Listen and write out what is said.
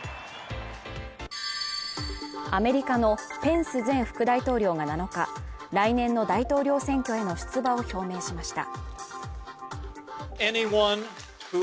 アメリカのペンス前副大統領が７日、来年の大統領選挙への出馬を表明しました。